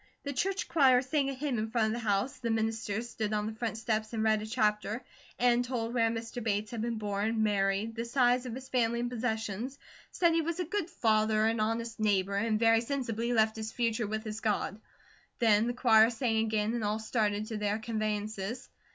The church choir sang a hymn in front of the house, the minister stood on the front steps and read a chapter, and told where Mr. Bates had been born, married, the size of his family and possessions, said he was a good father, an honest neighbour, and very sensibly left his future with his God. Then the choir sang again and all started to their conveyances.